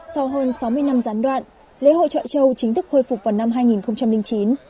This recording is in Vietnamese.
sau hơn sáu mươi năm gián đoạn lễ hội trọi châu chính thức khôi phục vào năm hai nghìn chín